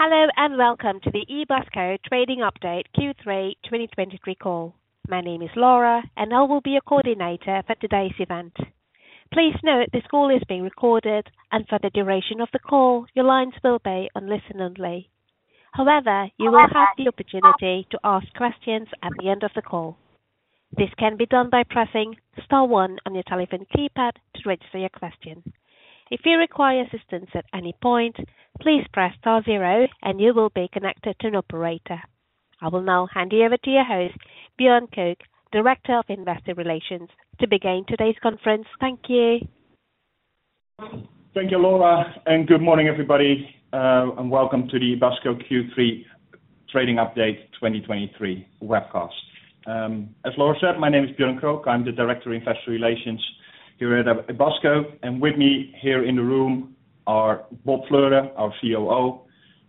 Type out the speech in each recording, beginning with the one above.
Hello, and welcome to the Ebusco Trading Update Q3 2023 call. My name is Laura, and I will be your coordinator for today's event. Please note, this call is being recorded, and for the duration of the call, your lines will be on listen only. However, you will have the opportunity to ask questions at the end of the call. This can be done by pressing star one on your telephone keypad to register your question. If you require assistance at any point, please press star zero and you will be connected to an operator. I will now hand you over to your host, Björn Krook, Director of Investor Relations, to begin today's conference. Thank you. Thank you, Laura, and good morning, everybody, and welcome to the Ebusco Q3 Trading Update 2023 webcast. As Laura said, my name is Björn Krook. I'm the Director of Investor Relations here at Ebusco, and with me here in the room are Bob Fleuren, our COO,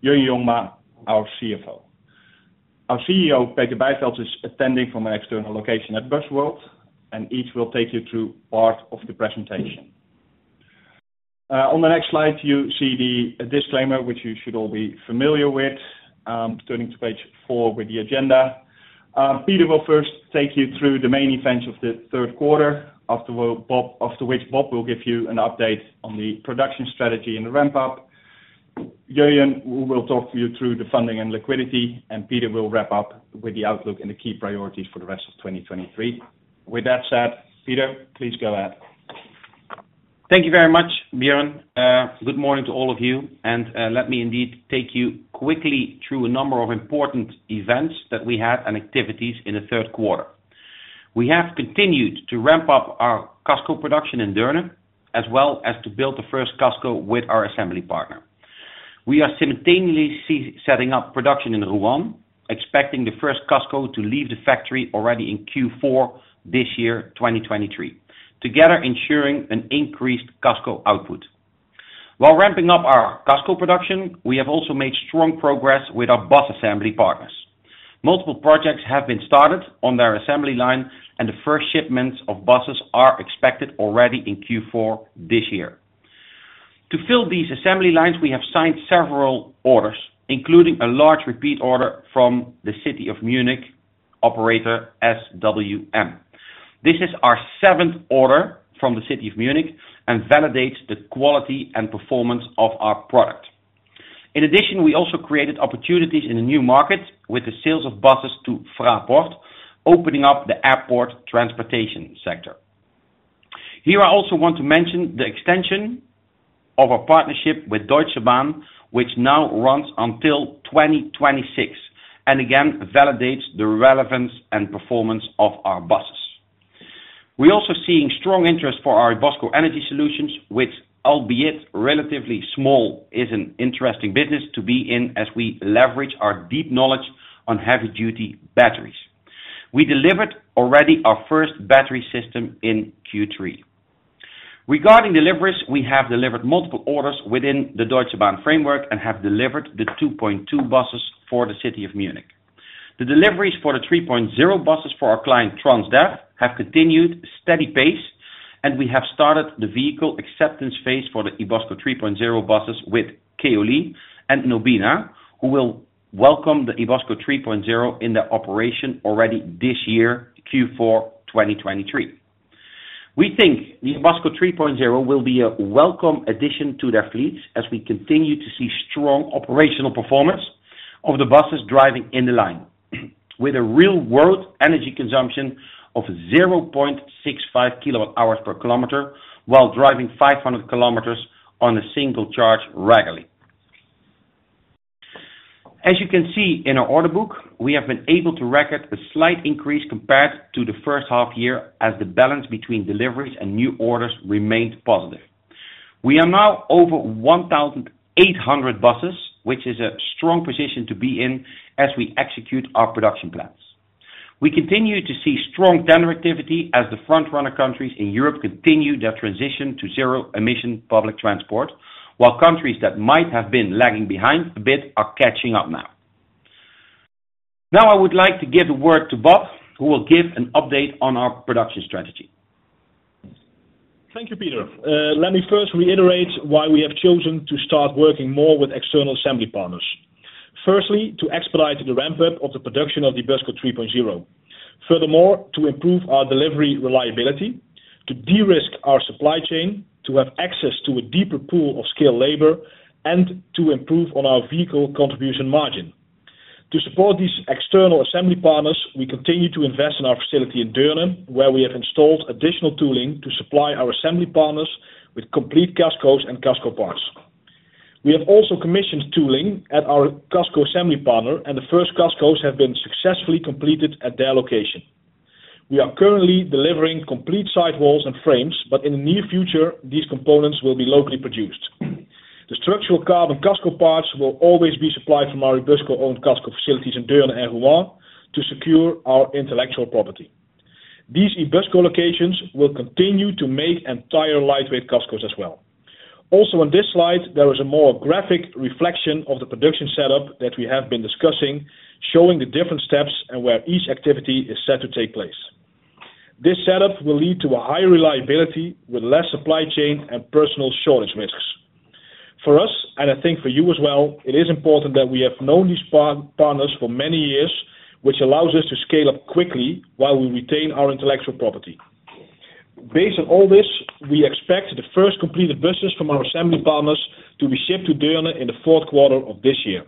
Jurjen Jongma, our CFO. Our CEO, Peter Bijvelds, is attending from an external location at Busworld, and each will take you through part of the presentation. On the next slide, you see the disclaimer, which you should all be familiar with. Turning to page four with the agenda. Peter will first take you through the main events of the third quarter. After which, Bob will give you an update on the production strategy and the ramp-up. Jurjen will talk you through the funding and liquidity, and Peter will wrap up with the outlook and the key priorities for the rest of 2023. With that said, Peter, please go ahead. Thank you very much, Björn. Good morning to all of you, and, let me indeed take you quickly through a number of important events that we had, and activities in the third quarter. We have continued to ramp up our Casco production in Deurne, as well as to build the first Casco with our assembly partner. We are simultaneously setting up production in Rouen, expecting the first Casco to leave the factory already in Q4 this year, 2023, together ensuring an increased Casco output. While ramping up our Casco production, we have also made strong progress with our bus assembly partners. Multiple projects have been started on their assembly line, and the first shipments of buses are expected already in Q4 this year. To fill these assembly lines, we have signed several orders, including a large repeat order from the City of Munich operator, SWM. This is our seventh order from the City of Munich and validates the quality and performance of our product. In addition, we also created opportunities in the new market with the sales of buses to Fraport, opening up the airport transportation sector. Here, I also want to mention the extension of our partnership with Deutsche Bahn, which now runs until 2026, and again, validates the relevance and performance of our buses. We're also seeing strong interest for our Ebusco Energy Solutions, which albeit relatively small, is an interesting business to be in as we leverage our deep knowledge on heavy duty batteries. We delivered already our first battery system in Q3. Regarding deliveries, we have delivered multiple orders within the Deutsche Bahn framework and have delivered the 2.2 buses for the City of Munich. The deliveries for the 3.0 buses for our client, Transdev, have continued steady pace, and we have started the vehicle acceptance phase for the Ebusco 3.0 buses with Keolis and Nobina, who will welcome the Ebusco 3.0 in their operation already this year, Q4 2023. We think the Ebusco 3.0 will be a welcome addition to their fleets as we continue to see strong operational performance of the buses driving in the line. With a real world energy consumption of 0.65 kWh per kilometer, while driving 500 km on a single charge regularly. As you can see in our order book, we have been able to record a slight increase compared to the first half year as the balance between deliveries and new orders remained positive. We are now over 1,800 buses, which is a strong position to be in as we execute our production plans. We continue to see strong tender activity as the front-runner countries in Europe continue their transition to zero emission public transport, while countries that might have been lagging behind a bit are catching up now. Now, I would like to give the word to Bob, who will give an update on our production strategy. Thank you, Peter. Let me first reiterate why we have chosen to start working more with external assembly partners. Firstly, to expedite the ramp-up of the production of the Ebusco 3.0. Furthermore, to improve our delivery reliability, to de-risk our supply chain, to have access to a deeper pool of skilled labor, and to improve on our vehicle contribution margin. To support these external assembly partners, we continue to invest in our facility in Deurne, where we have installed additional tooling to supply our assembly partners with complete Cascos and Casco parts. We have also commissioned tooling at our Casco assembly partner, and the first Cascos have been successfully completed at their location. We are currently delivering complete sidewalls and frames, but in the near future, these components will be locally produced. The structural carbon Casco parts will always be supplied from our Ebusco-owned Casco facilities in Deurne and Rouen to secure our intellectual property. These Ebusco locations will continue to make entire lightweight Cascos as well. Also, on this slide, there is a more graphic reflection of the production setup that we have been discussing, showing the different steps and where each activity is set to take place.... This setup will lead to a higher reliability with less supply chain and personal shortage risks. For us, and I think for you as well, it is important that we have known these partners for many years, which allows us to scale up quickly while we retain our intellectual property. Based on all this, we expect the first completed buses from our assembly partners to be shipped to Deurne in the fourth quarter of this year.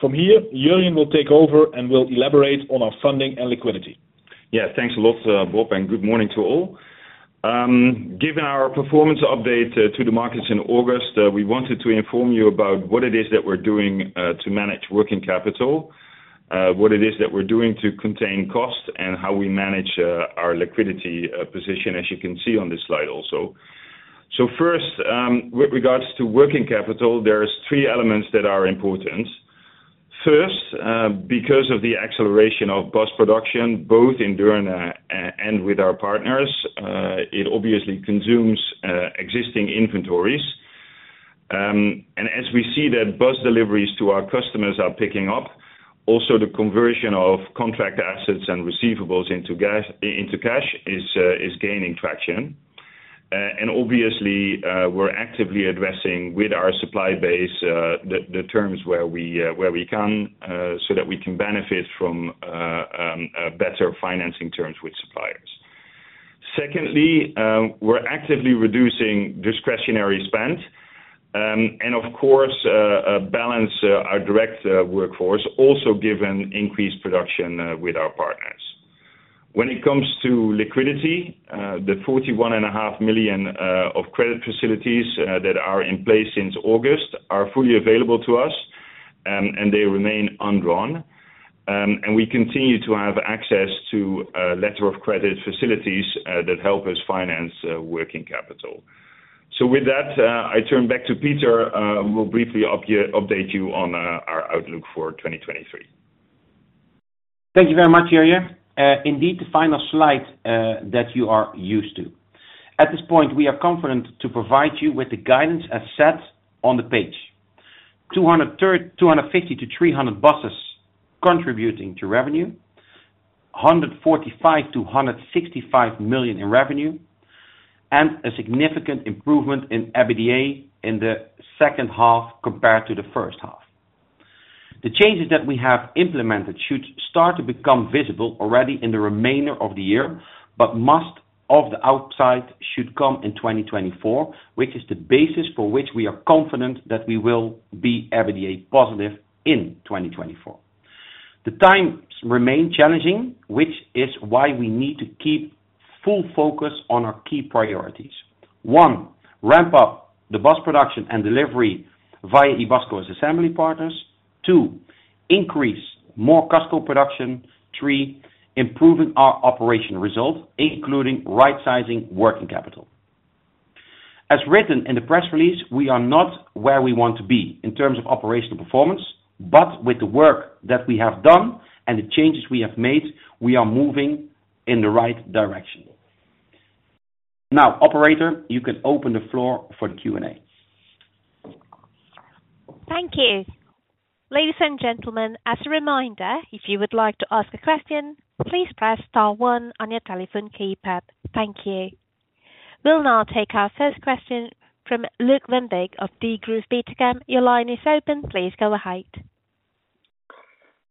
From here, Jurjen will take over and will elaborate on our funding and liquidity. Yeah, thanks a lot, Bob, and good morning to all. Given our performance update to the markets in August, we wanted to inform you about what it is that we're doing to manage working capital, what it is that we're doing to contain costs, and how we manage our liquidity position, as you can see on this slide also. So first, with regards to working capital, there is three elements that are important. First, because of the acceleration of bus production, both in Deurne and with our partners, it obviously consumes existing inventories. And as we see that bus deliveries to our customers are picking up, also the conversion of contract assets and receivables into cash is gaining traction. We're actively addressing with our supply base the terms where we can so that we can benefit from better financing terms with suppliers. Secondly, we're actively reducing discretionary spend, and of course, balance our direct workforce, also given increased production with our partners. When it comes to liquidity, the 41.5 million of credit facilities that are in place since August are fully available to us, and they remain undrawn. We continue to have access to letter of credit facilities that help us finance working capital. With that, I turn back to Peter, who will briefly update you on our outlook for 2023. Thank you very much, Jurjen. Indeed, the final slide that you are used to. At this point, we are confident to provide you with the guidance as set on the page. 250-300 buses contributing to revenue, 145-165 million in revenue, and a significant improvement in EBITDA in the second half compared to the first half. The changes that we have implemented should start to become visible already in the remainder of the year, but most of the upside should come in 2024, which is the basis for which we are confident that we will be EBITDA positive in 2024. The times remain challenging, which is why we need to keep full focus on our key priorities. One, ramp up the bus production and delivery via Ebusco's assembly partners. Two, increase more Casco production. Three, improving our operational results, including right-sizing working capital. As written in the press release, we are not where we want to be in terms of operational performance, but with the work that we have done and the changes we have made, we are moving in the right direction. Now, operator, you can open the floor for the Q&A. Thank you. Ladies and gentlemen, as a reminder, if you would like to ask a question, please press star one on your telephone keypad. Thank you. We'll now take our first question from Luuk Lindbeek of Jefferies. Your line is open. Please go ahead.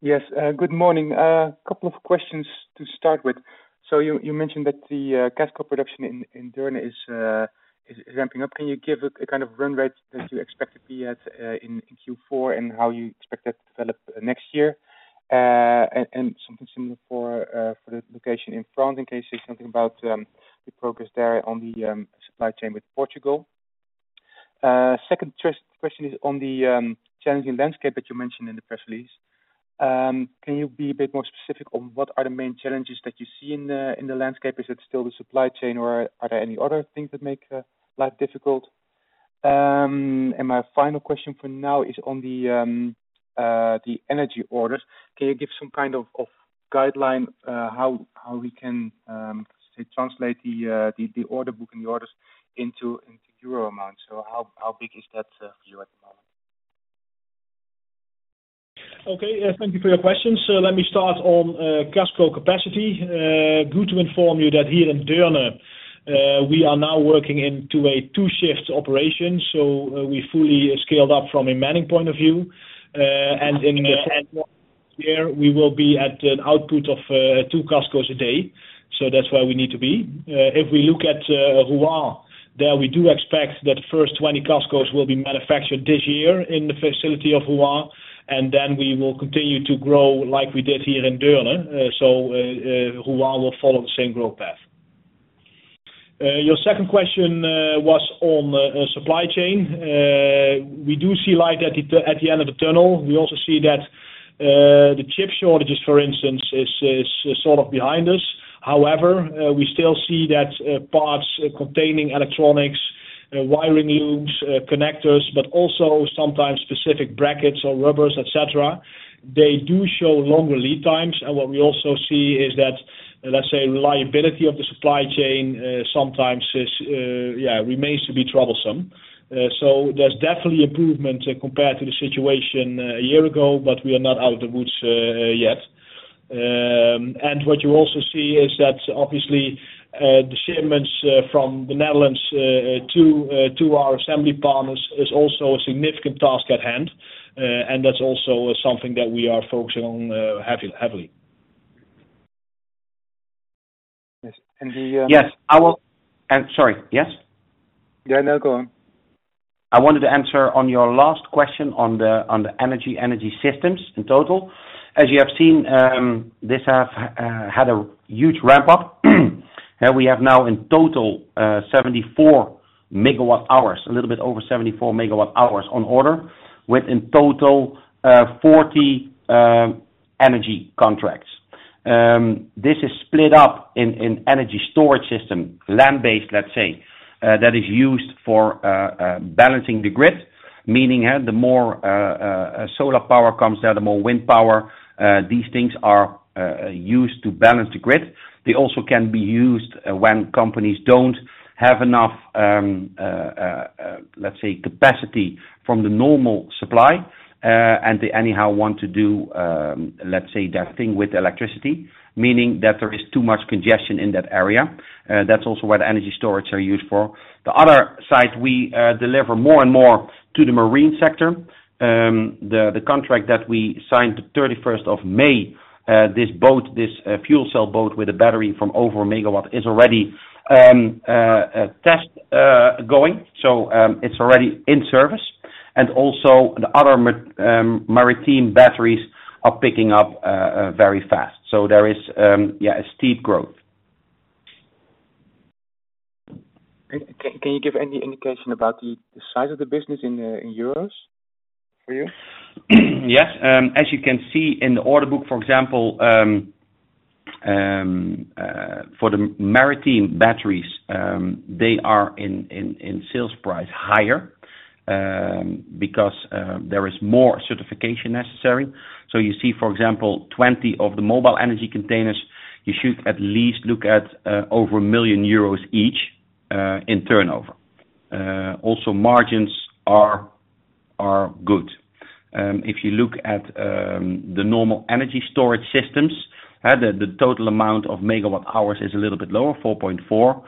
Yes, good morning. Couple of questions to start with. You mentioned that the Casco production in Deurne is ramping up. Can you give a kind of run rate that you expect to be at in Q4 and how you expect that to develop next year? Something similar for the location in France, in case you say something about the progress there on the supply chain with Portugal. Second question is on the challenging landscape that you mentioned in the press release. Can you be a bit more specific on what are the main challenges that you see in the landscape? Is it still the supply chain, or are there any other things that make life difficult? And my final question for now is on the energy orders. Can you give some kind of guideline how we can say translate the order book and the orders into euro amounts? So how big is that for you at the moment? Okay, thank you for your questions. Let me start on Casco capacity. Good to inform you that here in Deurne, we are now working into a two-shift operation, so, we fully scaled up from a manning point of view. And in the second year, we will be at an output of two Cascos a day. So that's where we need to be. If we look at Rouen, there we do expect that the first 20 Cascos will be manufactured this year in the facility of Rouen, and then we will continue to grow like we did here in Deurne. So, Rouen will follow the same growth path. Your second question was on supply chain. We do see light at the end of the tunnel. We also see that the chip shortages, for instance, are sort of behind us. However, we still see that parts containing electronics, wiring looms, connectors, but also sometimes specific brackets or rubbers, et cetera, do show longer lead times. What we also see is that, let's say, reliability of the supply chain sometimes remains to be troublesome. There's definitely improvement compared to the situation a year ago, but we are not out of the woods yet.... And what you also see is that obviously, the shipments from the Netherlands to our assembly partners is also a significant task at hand. And that's also something that we are focusing on heavily, heavily. Yes, and the, Yes, I will. Sorry, yes? Yeah, no, go on. I wanted to answer on your last question on the energy, energy systems in total. As you have seen, this have had a huge ramp up. We have now in total 74 MWh, a little bit over 74 MWh on order, with in total 40 energy contracts. This is split up in energy storage system, land-based, let's say, that is used for balancing the grid. Meaning, yeah, the more solar power comes down, the more wind power, these things are used to balance the grid. They also can be used when companies don't have enough, let's say, capacity from the normal supply, and they anyhow want to do, let's say, their thing with electricity, meaning that there is too much congestion in that area. That's also what energy storage are used for. The other side, we deliver more and more to the marine sector. The contract that we signed the thirty-first of May, this boat, this fuel cell boat with a battery from over a megawatt, is already a test going. So, it's already in service. And also, the other maritime batteries are picking up very fast. So there is, yeah, a steep growth. Can you give any indication about the size of the business in euros for you? Yes, as you can see in the order book, for example, for the maritime batteries, they are in sales price higher, because there is more certification necessary. You see, for example, 20 of the mobile energy containers, you should at least look at over 1 million euros each in turnover. Also margins are good. If you look at the normal energy storage systems, and the total amount of megawatt hours is a little bit lower, 4.4.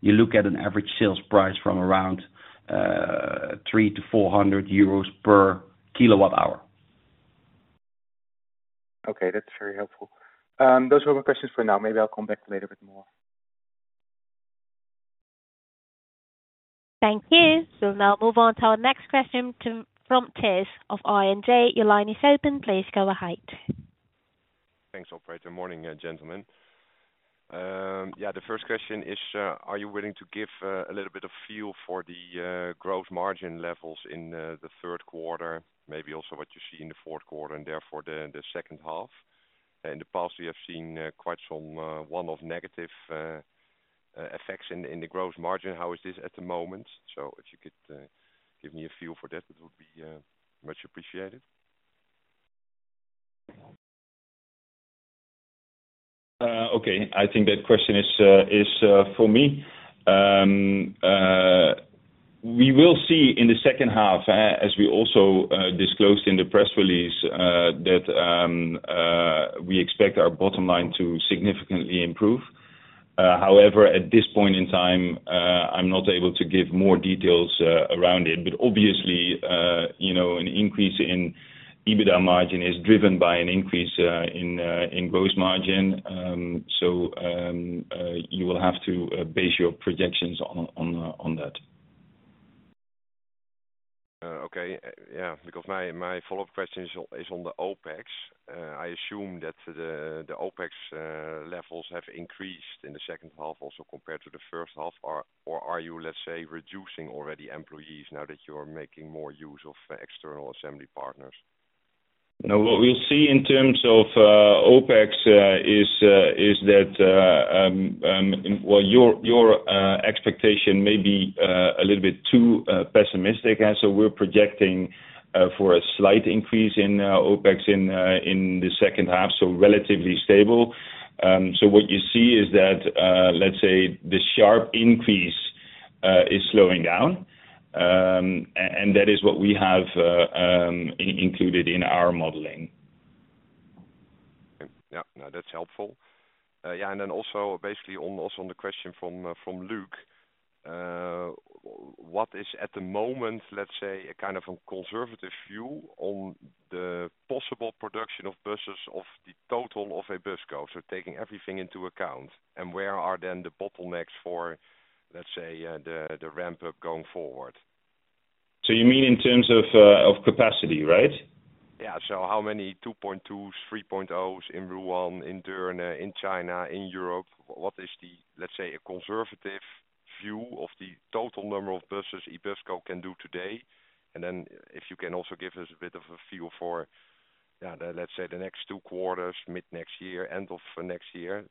You look at an average sales price from around 300-400 euros per kilowatt hour. Okay, that's very helpful. Those were my questions for now. Maybe I'll come back later with more. Thank you. We'll now move on to our next question, to, from Tijs of ING. Your line is open, please go ahead. Thanks, operator. Morning, gentlemen. Yeah, the first question is, are you willing to give a little bit of feel for the growth margin levels in the third quarter? Maybe also what you see in the fourth quarter, and therefore, the second half. In the past, we have seen quite some one-off negative effects in the growth margin. How is this at the moment? So if you could give me a feel for that, it would be much appreciated. Okay, I think that question is for me. We will see in the second half, as we also disclosed in the press release, that we expect our bottom line to significantly improve. However, at this point in time, I'm not able to give more details around it. But obviously, you know, an increase in EBITDA margin is driven by an increase in gross margin. So, you will have to base your projections on that. Okay. Yeah, because my follow-up question is on the OPEX. I assume that the OPEX levels have increased in the second half, also compared to the first half, or are you, let's say, reducing already employees now that you are making more use of external assembly partners? Now, what we'll see in terms of OPEX is that well, your expectation may be a little bit too pessimistic. And so we're projecting for a slight increase in OPEX in the second half, so relatively stable. So what you see is that let's say the sharp increase is slowing down. And that is what we have included in our modeling. Yeah, now that's helpful. Yeah, and then also, basically, also on the question from Luuk, what is at the moment, let's say, a kind of a conservative view on the possible production of buses of the total of Ebusco, so taking everything into account? And where are then the bottlenecks for, let's say, the ramp up going forward? You mean in terms of, of capacity, right? Yeah. So how many 2.2s, 3.0s in Rouen, in Deurne, in China, in Europe, what is the, let's say, a conservative view of the total number of buses Ebusco can do today? And then if you can also give us a bit of a feel for, yeah, let's say, the next two quarters, mid-next year, end of next year,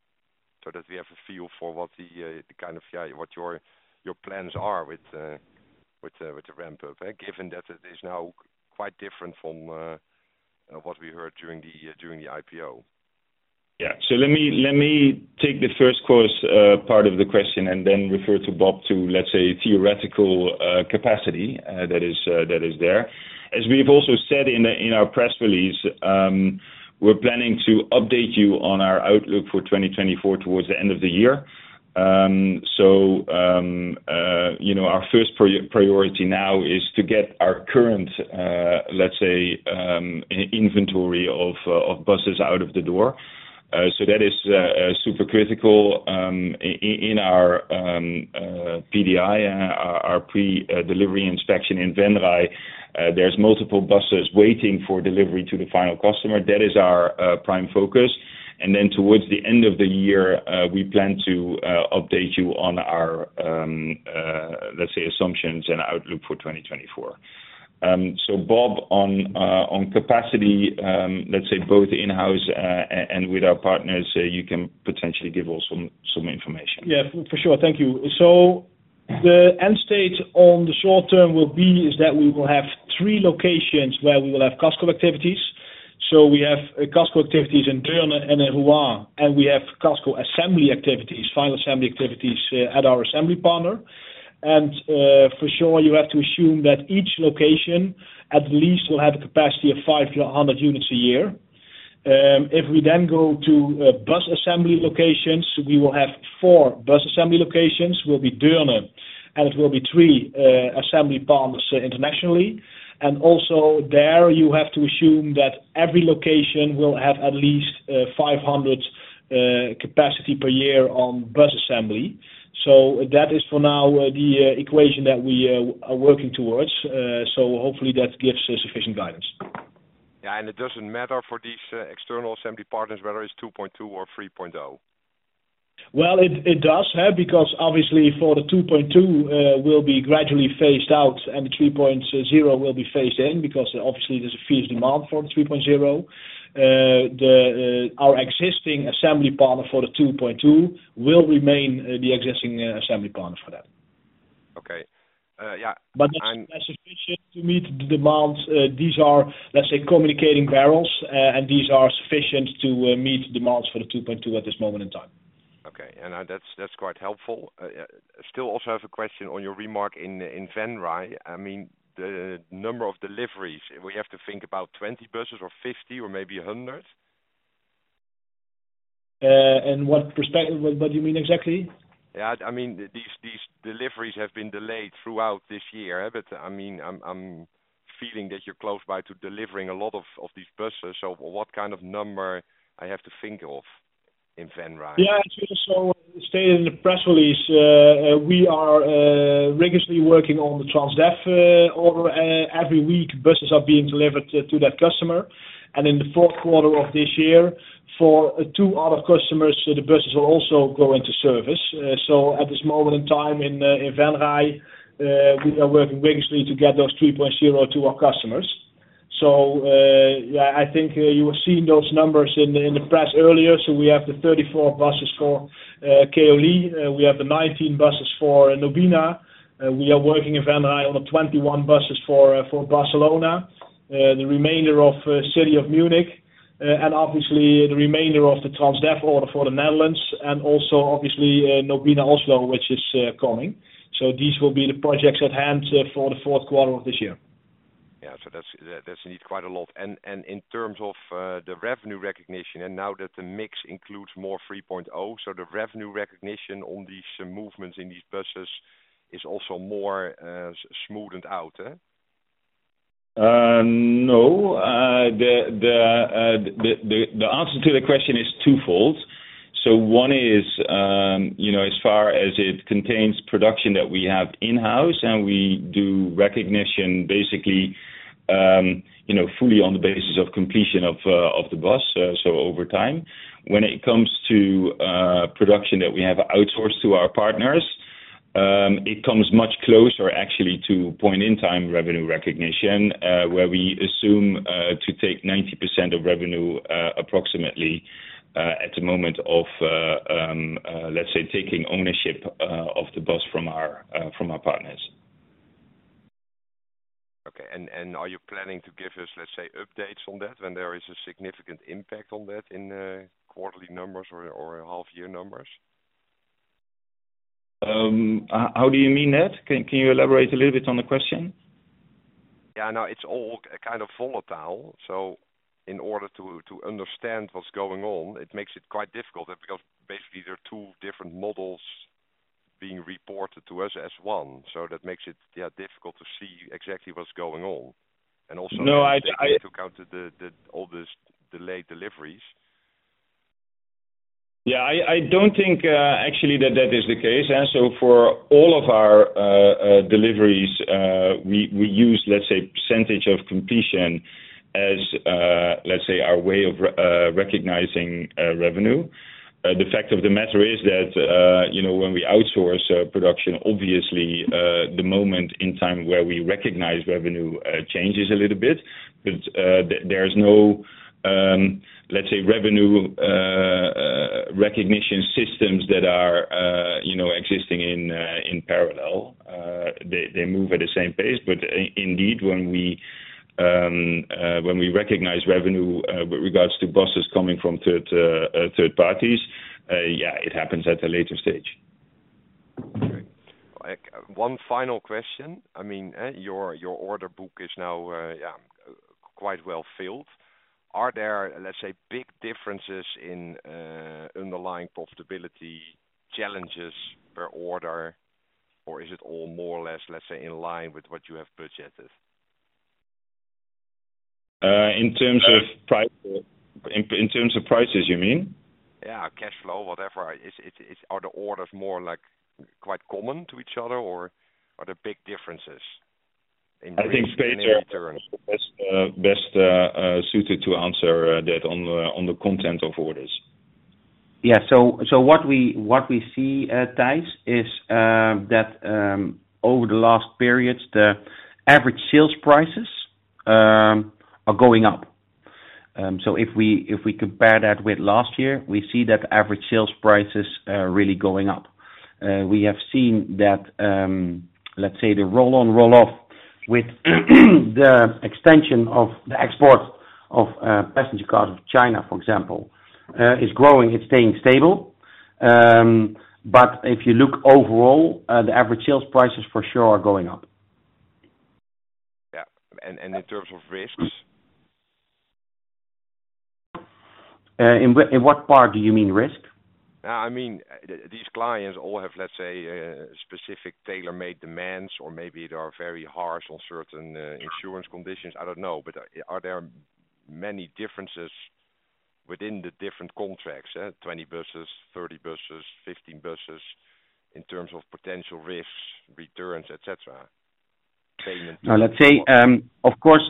so that we have a feel for what the, the kind of, yeah, what your, your plans are with, with, with the ramp up, given that it is now quite different from, what we heard during the, during the IPO? Yeah. So let me take the first part of the question, and then refer to Bob to, let's say, theoretical capacity that is there. As we've also said in our press release, we're planning to update you on our outlook for 2024 towards the end of the year. You know, our first priority now is to get our current, let's say, inventory of buses out of the door. So that is super critical in our PDI, our pre-delivery inspection in Venray. There's multiple buses waiting for delivery to the final customer. That is our prime focus. And then towards the end of the year, we plan to update you on our, let's say, assumptions and outlook for 2024. So Bob, on capacity, let's say, both in-house and with our partners, you can potentially give also some information. Yeah, for sure. Thank you. So the end state on the short term will be, is that we will have three locations where we will have Casco activities. So we have Casco activities in Deurne and in Rouen, and we have Casco assembly activities, final assembly activities, at our assembly partner. And, for sure, you have to assume that each location at least will have a capacity of 500 units a year. If we then go to bus assembly locations, we will have four bus assembly locations, will be Deurne, and it will be three assembly partners internationally. And also there, you have to assume that every location will have at least 500 capacity per year on bus assembly. So that is for now, the equation that we are working towards. So hopefully that gives sufficient guidance. Yeah, and it doesn't matter for these external assembly partners, whether it's 2.2 or 3.0? Well, it does, because obviously for the 2.2 will be gradually phased out and the 3.0 will be phased in, because obviously there's a fierce demand for the 3.0. Our existing assembly partner for the 2.2 will remain the existing assembly partner for that. Okay, yeah, and- But that's sufficient to meet the demands. These are, let's say, communicating barrels, and these are sufficient to meet demands for the 2.2 at this moment in time. Okay. And, that's, that's quite helpful. Still also have a question on your remark in Venray. I mean, the number of deliveries, we have to think about 20 buses or 50 or maybe 100? In what perspective? What do you mean exactly? Yeah, I mean, these deliveries have been delayed throughout this year, but I mean, I'm feeling that you're close by to delivering a lot of these buses. So what kind of number I have to think of in Venray? Yeah, so stated in the press release, we are rigorously working on the Transdev order. Every week, buses are being delivered to that customer. And in the fourth quarter of this year, for two other customers, so the buses will also go into service. So at this moment in time, in Venray, we are working rigorously to get those 3.0 to our customers. So yeah, I think you were seeing those numbers in the press earlier. So we have the 34 buses for Keolis. We have the 19 buses for Nobina. We are working in Venray on the 21 buses for, for Barcelona, the remainder of, City of Munich, and obviously the remainder of the Transdev order for the Netherlands, and also obviously, Nobina, also, which is, coming. So these will be the projects at hand, for the fourth quarter of this year. Yeah. So that's, that's indeed quite a lot. And, and in terms of, the revenue recognition, and now that the mix includes more 3.0, so the revenue recognition on these movements in these buses is also more, smoothened out? No, the answer to the question is twofold. So one is, you know, as far as it contains production that we have in-house, and we do recognition basically, you know, fully on the basis of completion of the bus, so over time. When it comes to production that we have outsourced to our partners, it comes much closer actually to point in time revenue recognition, where we assume to take 90% of revenue, approximately, at the moment of, let's say, taking ownership of the bus from our partners. Okay. Are you planning to give us, let's say, updates on that when there is a significant impact on that in quarterly numbers or a half year numbers? How do you mean that? Can you elaborate a little bit on the question? Yeah, I know it's all kind of volatile. So in order to understand what's going on, it makes it quite difficult because basically, there are two different models being reported to us as one. So that makes it, yeah, difficult to see exactly what's going on. And also- No, I- Take into account all these delayed deliveries. Yeah, I don't think, actually, that that is the case. And so for all of our deliveries, we use, let's say, percentage of completion as, let's say, our way of recognizing revenue. The fact of the matter is that, you know, when we outsource production, obviously, the moment in time where we recognize revenue changes a little bit, but there's no, let's say, revenue recognition systems that are, you know, existing in parallel. They move at the same pace, but indeed, when we recognize revenue with regards to buses coming from third parties, yeah, it happens at a later stage.... Like, one final question. I mean, your order book is now, yeah, quite well filled. Are there, let's say, big differences in underlying profitability, challenges per order, or is it all more or less, let's say, in line with what you have budgeted? In terms of price, in terms of prices, you mean? Yeah, cash flow, whatever. Are the orders more like quite common to each other, or are there big differences in return? I think Peter is the best suited to answer that on the content of orders. Yeah. So what we see, Tijs, is that over the last periods, the average sales prices are going up. So if we compare that with last year, we see that average sales prices are really going up. We have seen that, let's say, the roll on, roll off, with the extension of the export of passenger cars of China, for example, is growing. It's staying stable. But if you look overall, the average sales prices for sure are going up. Yeah. And in terms of risks? In what, in what part do you mean risk? I mean, these clients all have, let's say, a specific tailor-made demands, or maybe they are very harsh on certain, insurance conditions. I don't know. But are there many differences within the different contracts, 20 buses, 30 buses, 15 buses, in terms of potential risks, returns, et cetera? Payment- Let's say, of course,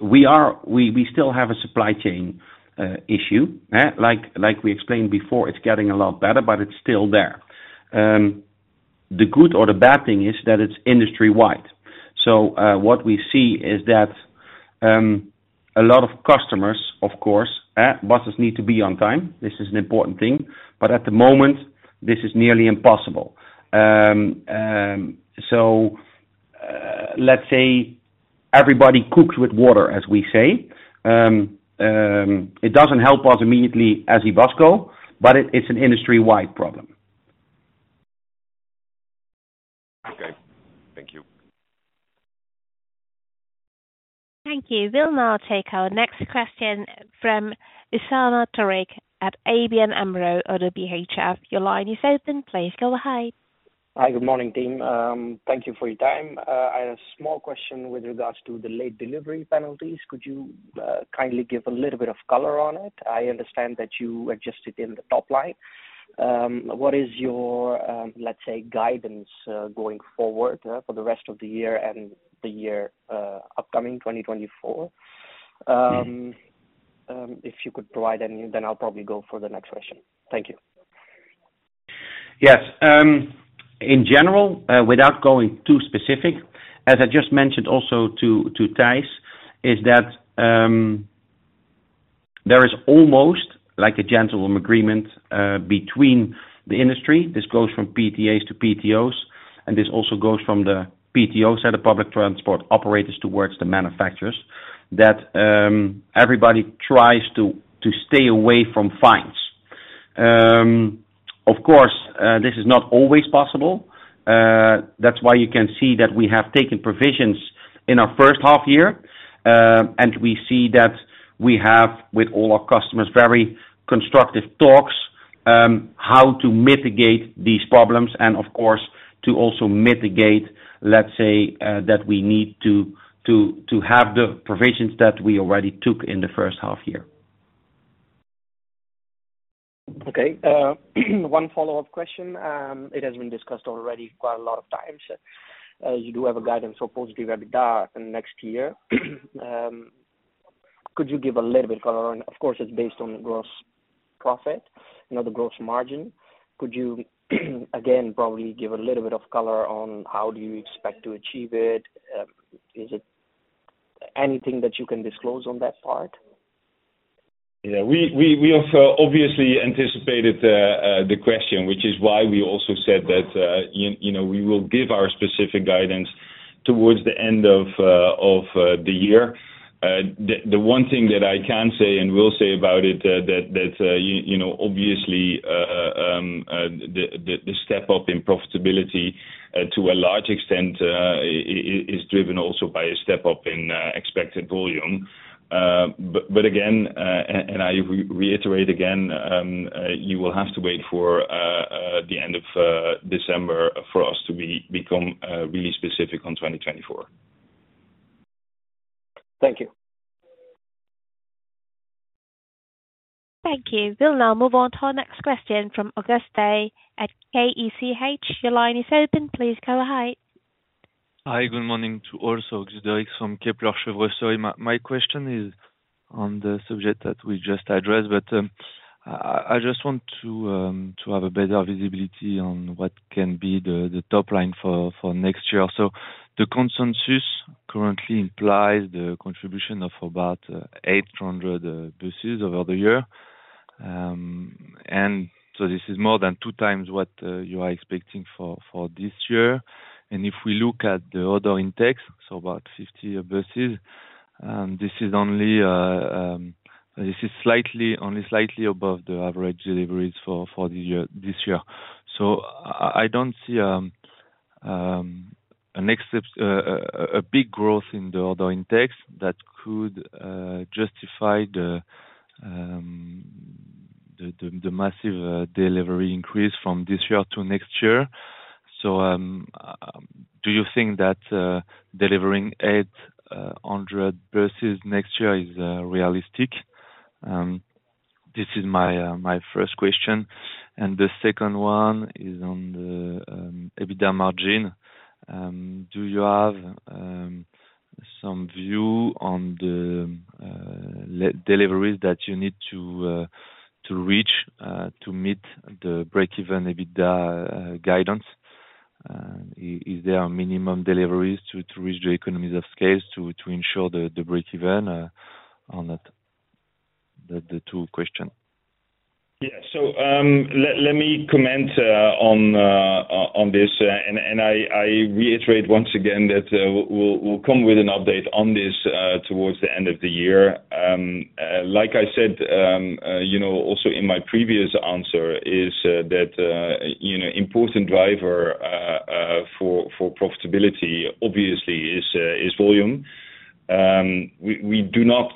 we are... We still have a supply chain issue, like we explained before, it's getting a lot better, but it's still there. The good or the bad thing is that it's industry-wide. What we see is that a lot of customers, of course, buses need to be on time. This is an important thing, but at the moment, this is nearly impossible. Everybody cooks with water, as we say. It doesn't help us immediately as Ebusco, but it's an industry-wide problem. Okay. Thank you. Thank you. We'll now take our next question from Usama Tariq at ABN AMRO / BHF. Your line is open. Please go ahead. Hi, good morning, team. Thank you for your time. I have a small question with regards to the late delivery penalties. Could you kindly give a little bit of color on it? I understand that you adjusted in the top line. What is your, let's say, guidance, going forward, for the rest of the year and the year, upcoming 2024? If you could provide any, then I'll probably go for the next question. Thank you. Yes. In general, without going too specific, as I just mentioned also to Tijs, is that there is almost like a gentleman's agreement between the industry. This goes from PTAs to PTOs, and this also goes from the PTOs and the public transport operators towards the manufacturers, that everybody tries to stay away from fines. Of course, this is not always possible. That's why you can see that we have taken provisions in our first half year, and we see that we have, with all our customers, very constructive talks how to mitigate these problems, and of course, to also mitigate, let's say, that we need to have the provisions that we already took in the first half year. Okay. One follow-up question. It has been discussed already quite a lot of times. You do have a guidance for positive EBITDA in the next year. Could you give a little bit color on... Of course, it's based on the gross profit, you know, the gross margin. Could you, again, probably give a little bit of color on how do you expect to achieve it? Is it anything that you can disclose on that part? Yeah, we have obviously anticipated the question, which is why we also said that, you know, we will give our specific guidance towards the end of the year. The one thing that I can say and will say about it, that you know, obviously, the step up in profitability to a large extent is driven also by a step up in expected volume. But again, and I reiterate again, you will have to wait for the end of December for us to become really specific on 2024. Thank you. Thank you. We'll now move on to our next question from Auguste at Kepler Cheuvreux. Your line is open. Please go ahead. Hi, good morning to all. Auguste from Kepler Cheuvreux. My question is on the subject that we just addressed, but I just want to have a better visibility on what can be the top line for next year. The consensus currently implies the contribution of about 800 buses over the year. And this is more than two times what you are expecting for this year. And if we look at the other intakes, about 50 buses, this is only slightly above the average deliveries for the year, this year. I don't see an except, a big growth in the order intakes that could justify the massive delivery increase from this year to next year. Do you think that delivering 800 buses next year is realistic? This is my first question, and the second one is on the EBITDA margin. Do you have some view on the deliveries that you need to reach to meet the break-even EBITDA guidance? Is there a minimum deliveries to reach the economies of scale to ensure the break-even on that? The two question. Yeah. So, let me comment on this, and I reiterate once again that we'll come with an update on this towards the end of the year. Like I said, you know, also in my previous answer, is that you know, important driver for profitability obviously is volume. We do not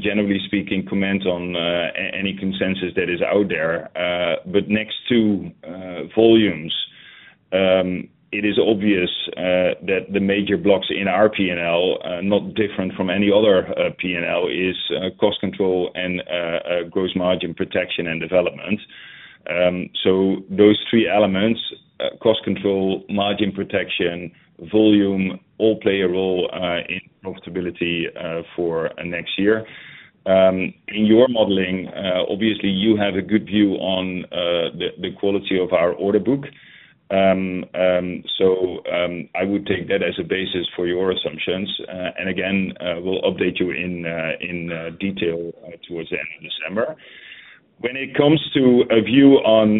generally speaking, comment on any consensus that is out there, but next to volumes, it is obvious that the major blocks in our P&L, not different from any other P&L, is cost control and gross margin protection and development. So those three elements, cost control, margin protection, volume, all play a role in profitability for next year. In your modeling, obviously, you have a good view on the quality of our order book. So, I would take that as a basis for your assumptions. And again, we'll update you in detail towards the end of December. When it comes to a view on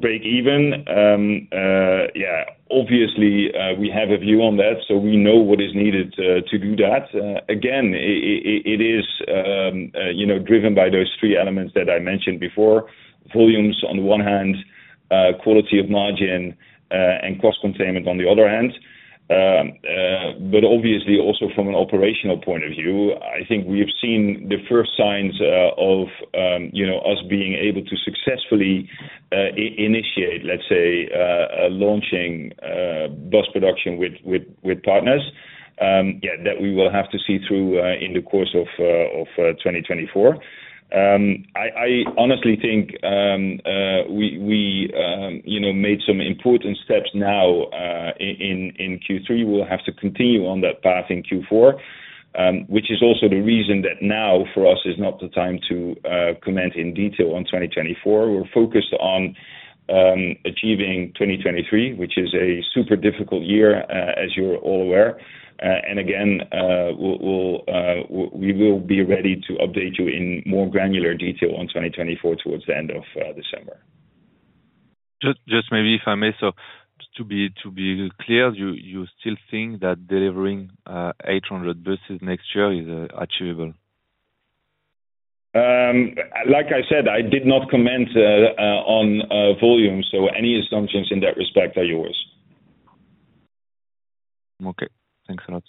break even, yeah, obviously, we have a view on that, so we know what is needed to do that. Again, it is, you know, driven by those three elements that I mentioned before: volumes on the one hand, quality of margin, and cost containment on the other hand. But obviously also from an operational point of view, I think we have seen the first signs of you know, us being able to successfully initiate, let's say, a launching bus production with partners. Yeah, that we will have to see through in the course of 2024. I honestly think we you know, made some important steps now in Q3. We'll have to continue on that path in Q4, which is also the reason that now, for us, is not the time to comment in detail on 2024. We're focused on achieving 2023, which is a super difficult year, as you're all aware. And again, we will be ready to update you in more granular detail on 2024 towards the end of December. Just, maybe if I may, so to be clear, you still think that delivering 800 buses next year is achievable? Like I said, I did not comment on volume, so any assumptions in that respect are yours. Okay. Thanks a lot.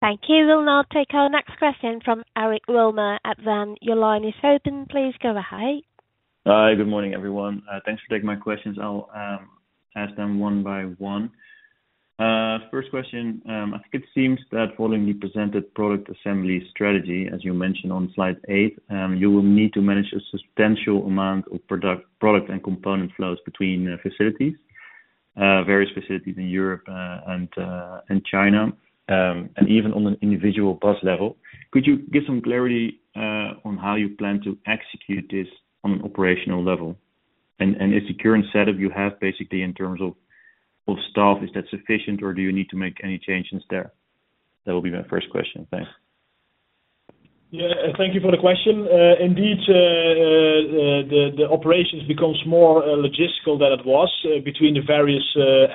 Thank you. We'll now take our next question from Eric Wilmer at Van Lanschot Kempen. Your line is open. Please go ahead. Hi, good morning, everyone. Thanks for taking my questions. I'll ask them one by one. First question, I think it seems that following the presented product assembly strategy, as you mentioned on slide eight, you will need to manage a substantial amount of product and component flows between facilities, various facilities in Europe, and China, and even on an individual bus level. Could you give some clarity on how you plan to execute this on an operational level? And is the current setup you have basically in terms of staff, is that sufficient, or do you need to make any changes there? That will be my first question. Thanks. Yeah, thank you for the question. Indeed, the operations becomes more logistical than it was, between the various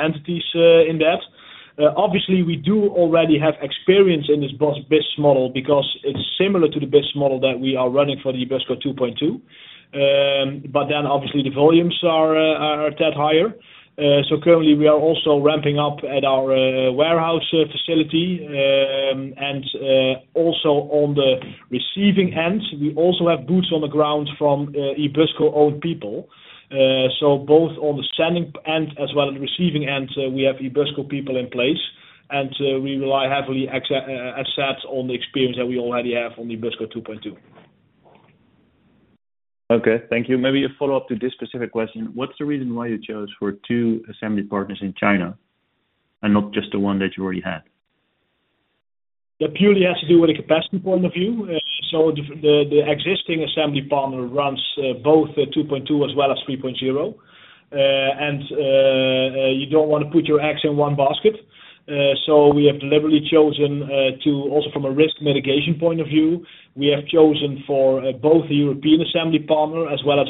entities in that. Obviously, we do already have experience in this bus biz model because it's similar to the biz model that we are running for the Ebusco 2.2. But then obviously the volumes are a tad higher. Currently, we are also ramping up at our warehouse facility. Also on the receiving end, we also have boots on the ground from Ebusco-owned people. Both on the sending end as well as the receiving end, we have Ebusco people in place, and we rely heavily, at set, on the experience that we already have on the Ebusco 2.2. Okay, thank you. Maybe a follow-up to this specific question: What's the reason why you chose for two assembly partners in China and not just the one that you already had? That purely has to do with a capacity point of view. So the existing assembly partner runs both the 2.2 as well as 3.0. And you don't want to put your eggs in one basket. So we have deliberately chosen to also from a risk mitigation point of view, we have chosen for both the European assembly partner as well as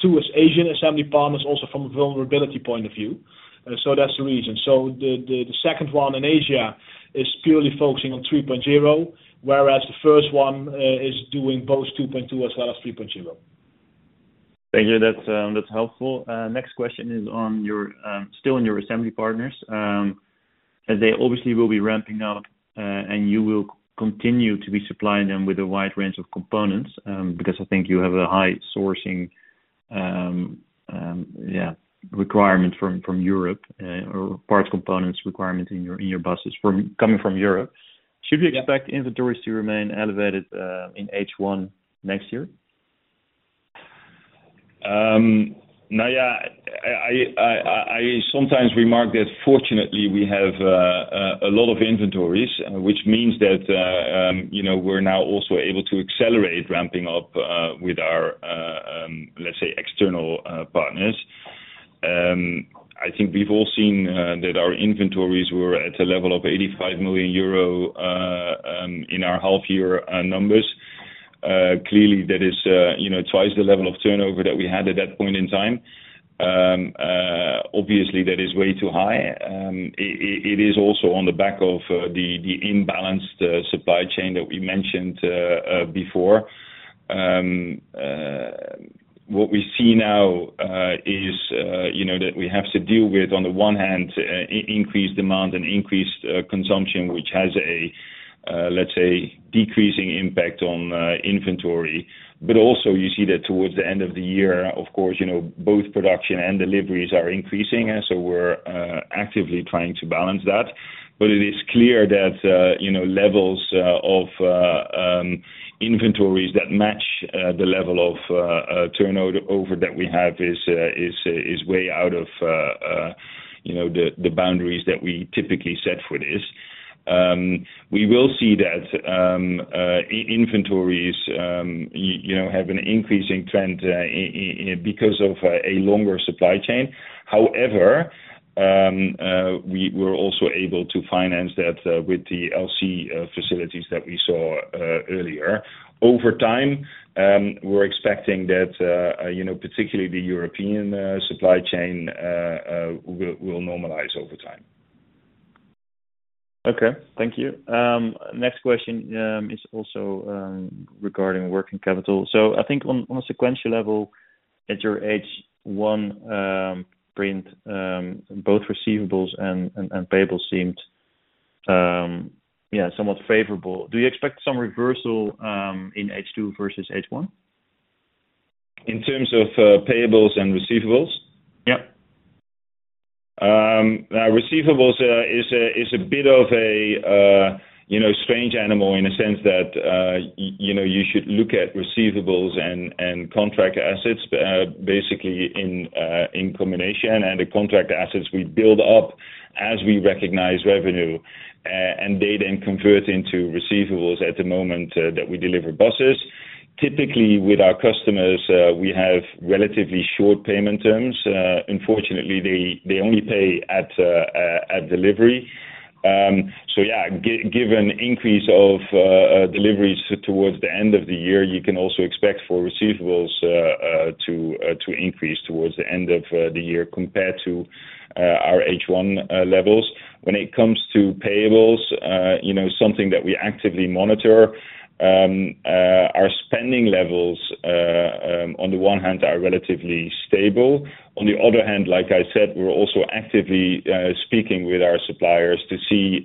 two Asian assembly partners also from a vulnerability point of view. So that's the reason. So the second one in Asia is purely focusing on 3.0, whereas the first one is doing both 2.2 as well as 3.0. Thank you. That's, that's helpful. Next question is on your, still on your assembly partners. As they obviously will be ramping up, and you will continue to be supplying them with a wide range of components, because I think you have a high sourcing, yeah, requirement from, from Europe, or parts components requirement in your, in your buses from-- coming from Europe. Should we expect inventories to remain elevated, in H1 next year? Now, yeah, I sometimes remark that fortunately, we have a lot of inventories, which means that, you know, we're now also able to accelerate ramping up with our, let's say, external partners. I think we've all seen that our inventories were at a level of 85 million euro in our half year numbers. Clearly, that is, you know, twice the level of turnover that we had at that point in time. Obviously, that is way too high. It is also on the back of the imbalanced supply chain that we mentioned before. What we see now is, you know, that we have to deal with, on the one hand, increased demand and increased consumption, which has a, let's say, decreasing impact on inventory. But also you see that towards the end of the year, of course, you know, both production and deliveries are increasing, and so we're actively trying to balance that. But it is clear that, you know, levels of inventories that match the level of turnover that we have is way out of, you know, the boundaries that we typically set for this. We will see that, you know, inventories have an increasing trend because of a longer supply chain. However, we were also able to finance that, with the LC facilities that we saw, earlier. Over time, we're expecting that, you know, particularly the European supply chain, will normalize over time. Okay, thank you. Next question is also regarding working capital. So I think on a sequential level, at your H1 print, both receivables and payables seemed, yeah, somewhat favorable. Do you expect some reversal in H2 versus H1? In terms of payables and receivables? Yep. Receivables is a bit of a, you know, strange animal in a sense that, you know, you should look at receivables and contract assets basically in combination. And the contract assets we build up as we recognize revenue and data and convert into receivables at the moment that we deliver buses. Typically, with our customers, we have relatively short payment terms. Unfortunately, they only pay at delivery. Given increase of deliveries towards the end of the year, you can also expect for receivables to increase towards the end of the year compared to our H1 levels. When it comes to payables, you know, something that we actively monitor, our spending levels, on the one hand, are relatively stable. On the other hand, like I said, we're also actively speaking with our suppliers to see,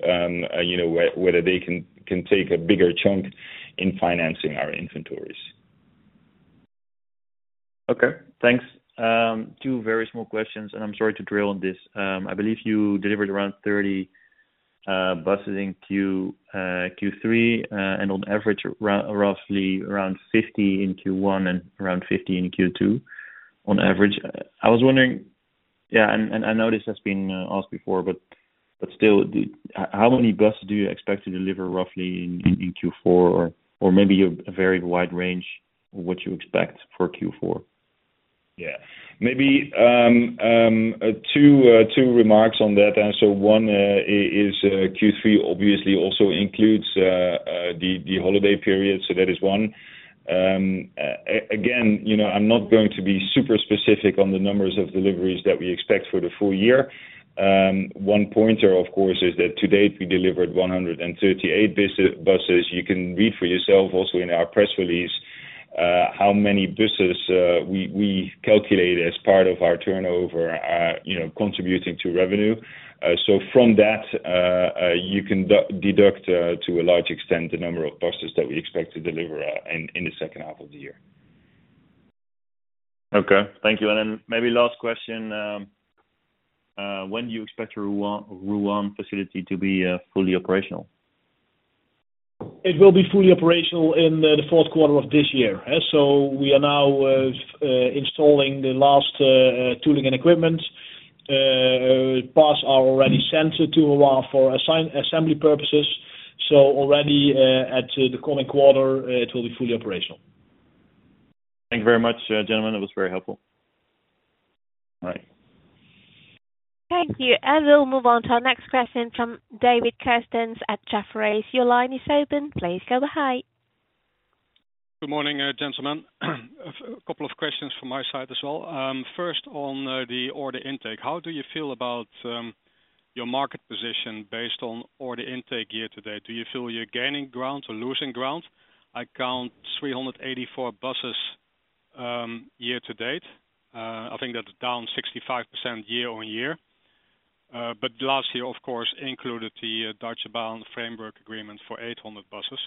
you know, whether they can take a bigger chunk in financing our inventories. Okay, thanks. Two very small questions, and I'm sorry to drill on this. I believe you delivered around 30 buses in Q3, and on average, roughly around 50 in Q1 and around 50 in Q2, on average. I was wondering, yeah, and I know this has been asked before, but still, how many buses do you expect to deliver roughly in Q4? Or maybe a very wide range of what you expect for Q4. Yeah. Maybe, two remarks on that. And so one is Q3 obviously also includes the holiday period, so that is one. Again, you know, I'm not going to be super specific on the numbers of deliveries that we expect for the full year. One pointer, of course, is that to date, we delivered 138 buses. You can read for yourself also in our press release how many buses we calculate as part of our turnover, you know, contributing to revenue. So from that, you can deduct, to a large extent, the number of buses that we expect to deliver in the second half of the year. Okay, thank you. And then maybe last question, when do you expect your Rouen facility to be fully operational? It will be fully operational in the fourth quarter of this year. We are now installing the last tooling and equipment. Buses are already sent to Rouen for assembly purposes.... So already, at the coming quarter, it will be fully operational. Thank you very much, gentlemen. It was very helpful. Bye. Thank you, and we'll move on to our next question from David Kerstens at Jefferies. Your line is open. Please go ahead. Good morning, gentlemen. A couple of questions from my side as well. First, on the order intake, how do you feel about your market position based on order intake year-to-date? Do you feel you're gaining ground or losing ground? I count 384 buses year-to-date. I think that's down 65% year-over-year. But last year, of course, included the Deutsche Bahn framework agreement for 800 buses.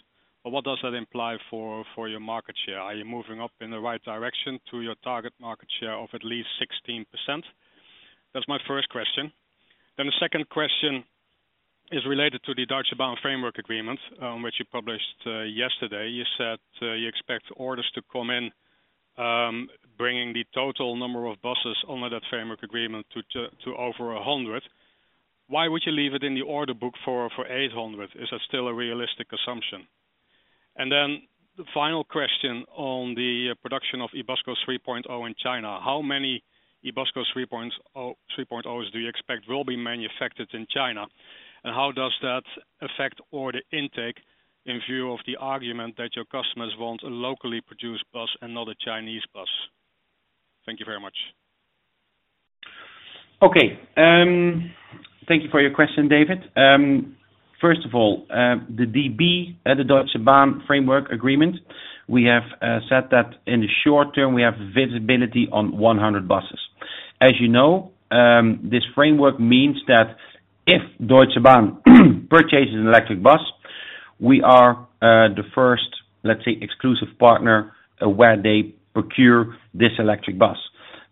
But what does that imply for your market share? Are you moving up in the right direction to your target market share of at least 16%? That's my first question. Then the second question is related to the Deutsche Bahn framework agreement, which you published yesterday. You said, you expect orders to come in, bringing the total number of buses under that framework agreement to over 100. Why would you leave it in the order book for 800? Is that still a realistic assumption? And then final question on the production of Ebusco 3.0 in China. How many Ebusco 3.0 do you expect will be manufactured in China? And how does that affect order intake in view of the argument that your customers want a locally produced bus and not a Chinese bus? Thank you very much. Okay, thank you for your question, David. First of all, the DB, the Deutsche Bahn framework agreement, we have said that in the short term, we have visibility on 100 buses. As you know, this framework means that if Deutsche Bahn purchases an electric bus, we are the first, let's say, exclusive partner, where they procure this electric bus.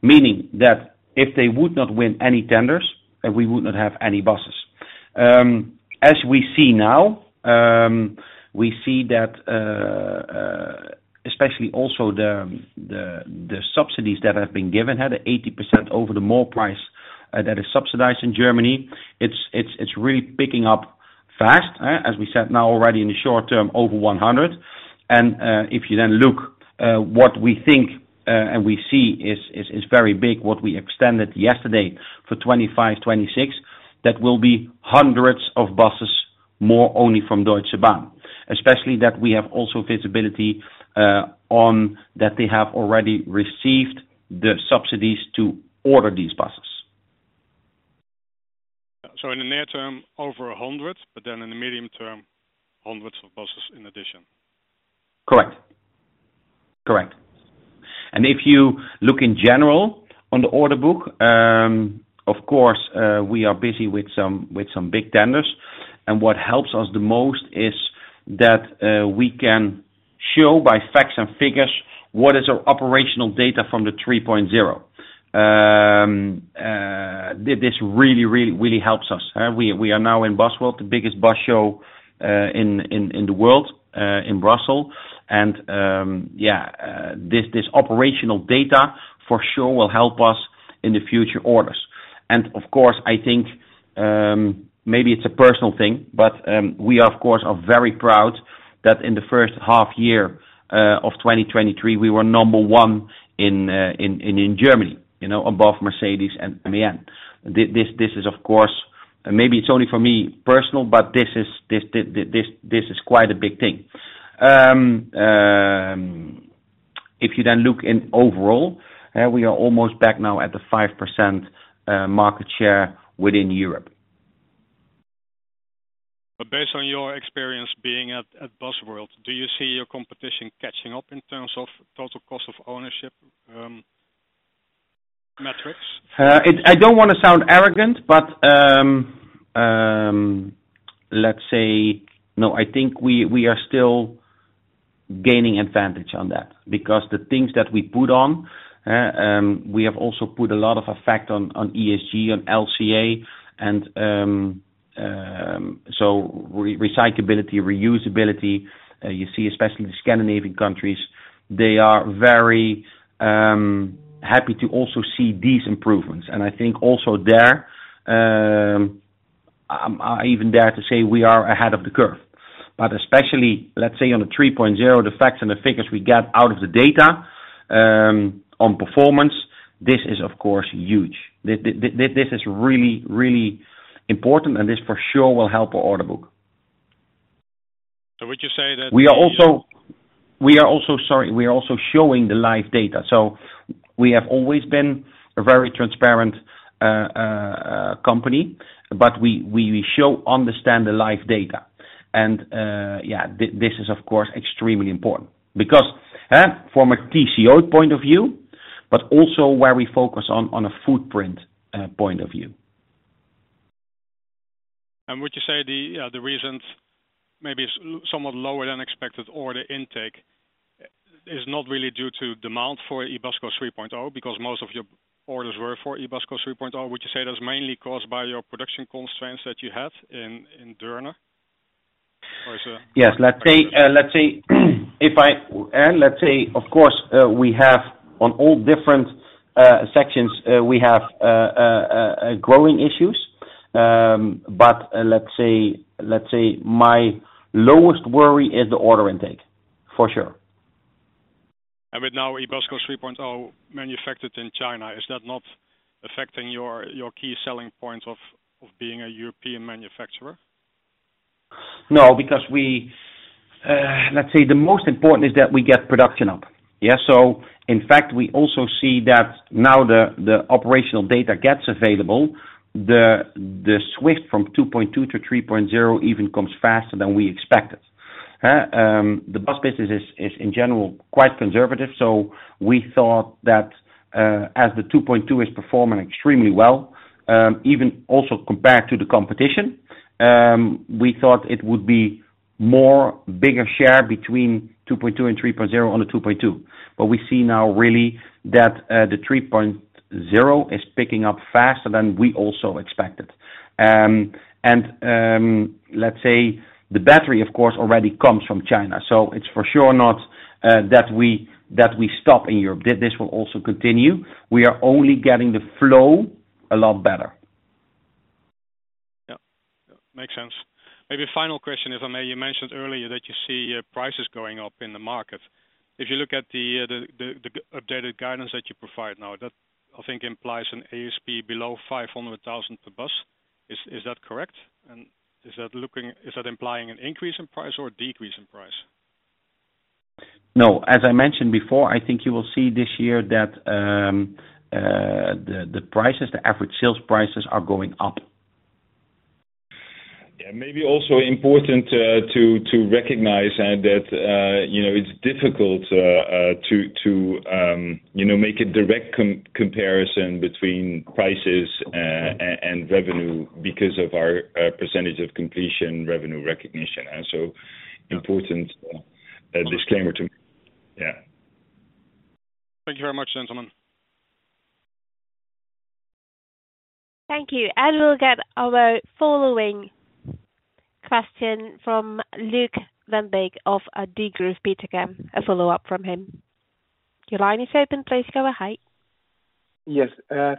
Meaning that if they would not win any tenders, then we would not have any buses. As we see now, we see that, especially also the subsidies that have been given, at 80% over the more price, that is subsidized in Germany, it's really picking up fast, as we said, now, already in the short term, over 100. If you then look, what we think and we see is very big, what we extended yesterday for 2025, 2026, that will be hundreds of buses, more only from Deutsche Bahn. Especially that we have also visibility on that they have already received the subsidies to order these buses. In the near term, over 100, but then in the medium term, hundreds of buses in addition. Correct. Correct. If you look in general on the order book, of course, we are busy with some big tenders, and what helps us the most is that we can show by facts and figures what is our operational data from the 3.0. This really, really, really helps us. We are now in Busworld, the biggest bus show in the world, in Brussels. Yeah, this operational data for sure will help us in the future orders. Of course, I think maybe it's a personal thing, but we are, of course, very proud that in the first half year of 2023, we were number one in Germany, you know, above Mercedes and MAN. This is, of course, maybe it's only for me personally, but this is quite a big thing. If you then look overall, we are almost back now at the 5% market share within Europe. Based on your experience being at Busworld, do you see your competition catching up in terms of total cost of ownership metrics? I don't want to sound arrogant, but, let's say... No, I think we are still gaining advantage on that because the things that we put on, we have also put a lot of effort on, on ESG, on LCA, and, so recyclability, reusability, you see, especially the Scandinavian countries, they are very happy to also see these improvements. And I think also there, I even dare to say we are ahead of the curve, but especially, let's say on the 3.0, the facts and the figures we get out of the data, on performance, this is, of course, huge. This is really, really important, and this for sure will help our order book. So would you say that- We are also, we are also, sorry, we are also showing the live data. We have always been a very transparent company, but we show, understand the live data. Yeah, this is of course, extremely important. Because, from a TCO point of view, but also where we focus on, on a footprint point of view. Would you say the reasons maybe somewhat lower than expected order intake is not really due to demand for Ebusco 3.0, because most of your orders were for Ebusco 3.0? Would you say that's mainly caused by your production constraints that you had in Deurne or? Yes, let's say, let's say, if I-- and let's say, of course, we have on all different sections, we have a growing issues. Let's say, let's say my lowest worry is the order intake, for sure. With now Ebusco 3.0 manufactured in China, is that not affecting your, your key selling point of, of being a European manufacturer? No, because we, let's say the most important is that we get production up. Yeah, so in fact, we also see that now the operational data gets available, the switch from 2.2 to 3.0 even comes faster than we expected. The bus business is in general quite conservative, so we thought that, as the 2.2 is performing extremely well, even also compared to the competition, we thought it would be more bigger share between 2.2 and 3.0 on the 2.2. But we see now really that the 3.0 is picking up faster than we also expected. And, let's say the battery, of course, already comes from China, so it's for sure not that we stop in Europe. This will also continue. We are only getting the flow a lot better. Yeah. Makes sense. Maybe a final question, if I may. You mentioned earlier that you see prices going up in the market. If you look at the updated guidance that you provide now, that I think implies an ASP below 500,000 per bus. Is that correct? And is that looking-- is that implying an increase in price or a decrease in price? No, as I mentioned before, I think you will see this year that the prices, the average sales prices are going up. Yeah, maybe also important to recognize that, you know, it's difficult to you know make a direct comparison between prices and revenue because of our percentage of completion revenue recognition, and so important disclaimer to... Yeah. Thank you very much, gentlemen. Thank you. And we'll get our following question from Luuk Lindbeek of Jefferies, a follow-up from him. Your line is open. Please go ahead. Yes,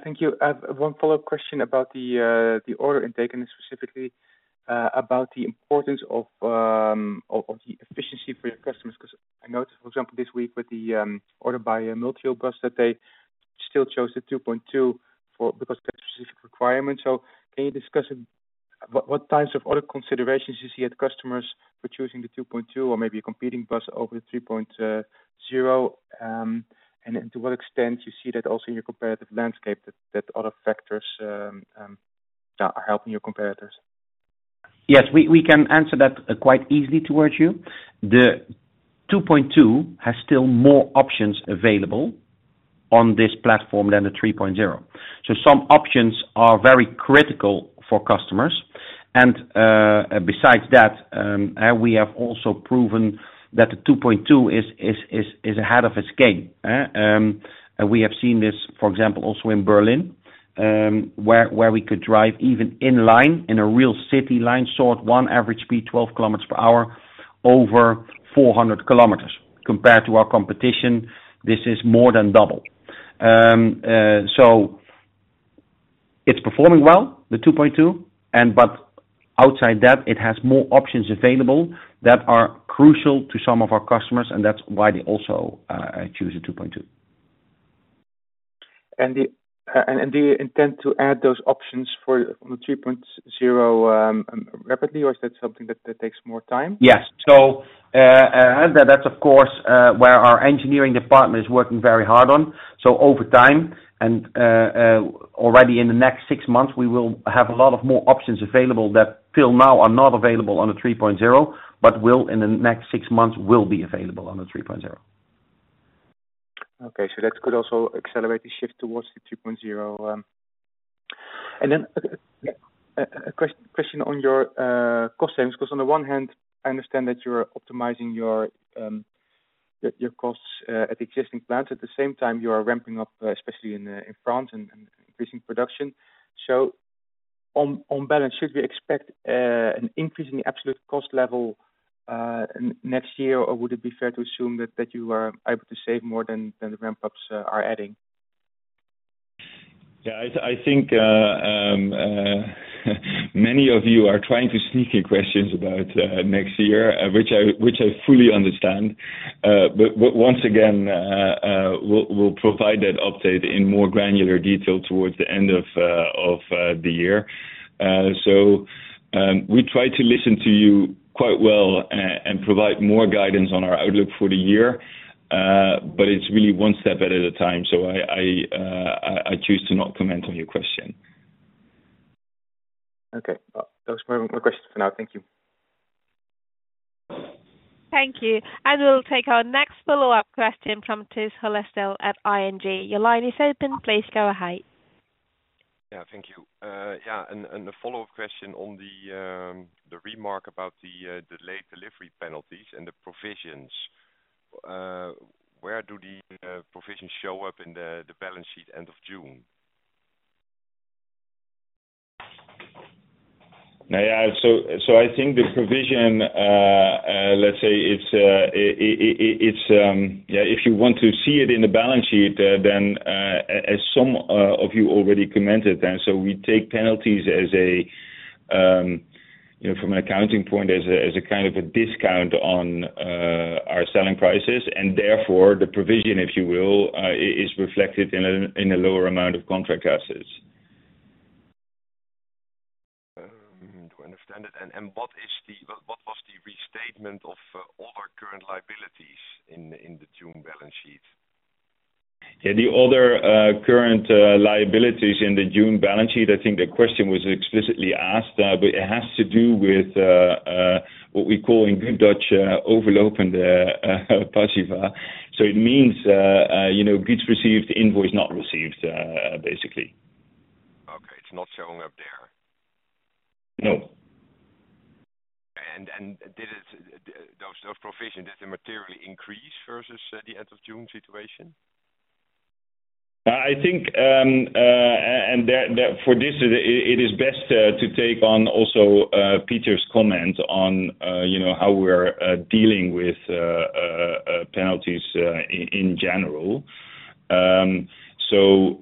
thank you. One follow-up question about the order intake, and specifically about the importance of the efficiency for your customers, because I noticed, for example, this week with the order by Multiobus, that they still chose the 2.2 for because of their specific requirements. So can you discuss what types of other considerations you see at customers for choosing the 2.2 or maybe a competing bus over the 3.0? And then to what extent you see that also in your competitive landscape, that other factors are helping your competitors? Yes, we can answer that quite easily towards you. The 2.2 has still more options available on this platform than the 3.0. Some options are very critical for customers. We have also proven that the 2.2 is ahead of its game, eh? We have seen this, for example, also in Berlin, where we could drive even in line, in a real city line, at one average speed, 12 kilometers per hour, over 400 kilometers. Compared to our competition, this is more than double. It's performing well, the 2.2, and outside that, it has more options available that are crucial to some of our customers, and that's why they also choose a 2.2. Do you intend to add those options for the 3.0 rapidly, or is that something that takes more time? Yes. So that's of course where our engineering department is working very hard on. So over time, and already in the next six months, we will have a lot of more options available that till now are not available on a 3.0, but will in the next six months, will be available on a 3.0. Okay, so that could also accelerate the shift towards the 3.0. And then, a question on your cost savings, because on the one hand, I understand that you're optimizing your costs at the existing plants. At the same time, you are ramping up, especially in France and increasing production. So on balance, should we expect an increase in the absolute cost level next year, or would it be fair to assume that you are able to save more than the ramp-ups are adding? Yeah, I think many of you are trying to sneak in questions about next year, which I fully understand. But once again, we'll provide that update in more granular detail towards the end of the year. So, we try to listen to you quite well and provide more guidance on our outlook for the year, but it's really one step at a time, so I choose to not comment on your question. Okay. Well, those were my questions for now. Thank you. Thank you. And we'll take our next follow-up question from Tijs Hollestelle at ING. Your line is open. Please go ahead. Yeah, thank you. Yeah, and a follow-up question on the remark about the delayed delivery penalties and the provisions. Where do the provisions show up in the balance sheet end of June? ...Now, yeah, so, so I think the provision, let's say it's, yeah, if you want to see it in the balance sheet, then, as some of you already commented, then so we take penalties as a, you know, from an accounting point, as a, as a kind of a discount on our selling prices. And therefore, the provision, if you will, is reflected in a lower amount of contract assets. To understand it, and what was the restatement of all our current liabilities in the June balance sheet? Yeah, the other current liabilities in the June balance sheet, I think the question was explicitly asked, but it has to do with what we call in good Dutch, overlopende passiva. So it means, you know, goods received, invoice not received, basically. Okay, it's not showing up there? No. And did those provisions materially increase versus the end of June situation? I think, and therefore, it is best to take on also Peter's comment on, you know, how we're dealing with penalties in general. So,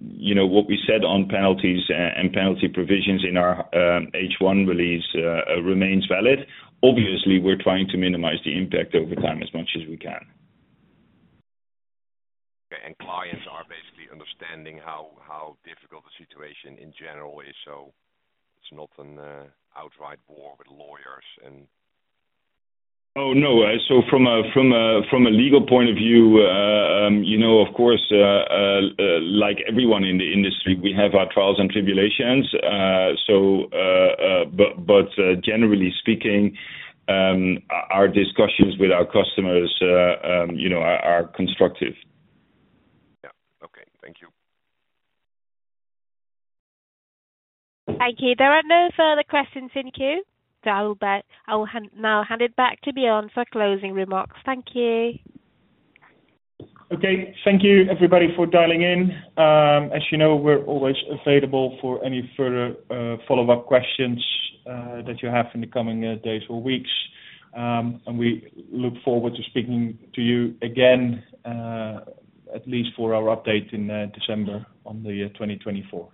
you know, what we said on penalties and penalty provisions in our H1 release remains valid. Obviously, we're trying to minimize the impact over time as much as we can. Okay, and clients are basically understanding how difficult the situation in general is, so it's not an outright war with lawyers and? Oh, no. So from a legal point of view, you know, of course, like everyone in the industry, we have our trials and tribulations. But generally speaking, our discussions with our customers, you know, are constructive. Yeah. Okay. Thank you. Thank you. There are no further questions in queue, so I will now hand it back to Björn for closing remarks. Thank you. Okay, thank you, everybody, for dialing in. As you know, we're always available for any further follow-up questions that you have in the coming days or weeks. And we look forward to speaking to you again, at least for our update in December on the year 2024.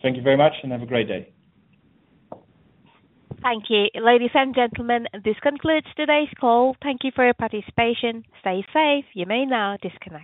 Thank you very much, and have a great day. Thank you. Ladies and gentlemen, this concludes today's call. Thank you for your participation. Stay safe. You may now disconnect.